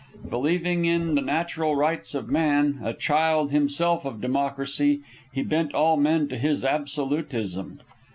Believing in the natural rights of man, a child himself of democracy, he bent all men to his absolutism.